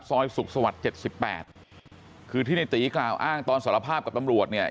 ซอยสุขสวรรค์๗๘คือที่ในตีกล่าวอ้างตอนสารภาพกับตำรวจเนี่ย